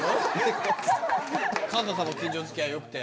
⁉幹太さんも近所付き合いよくて。